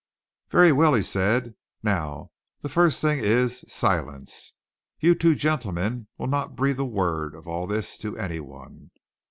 "Very well," he said. "Now the first thing is silence. You two gentlemen will not breathe a word of all this to any one.